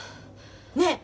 ねえ！